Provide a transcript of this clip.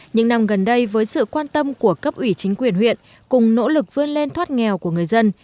những năm gần đây với sự quan tâm của cấp ủy chính quyền huyện cùng nỗ lực vươn lên thoát nghèo của người dân